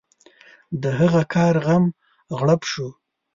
د هغه کار غم غړپ شو.